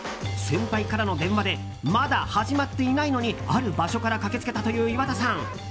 先輩からの電話でまだ始まっていないのにある場所から駆け付けたという岩田さん。